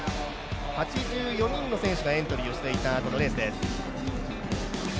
８４人の選手がエントリーしていたこのレースです。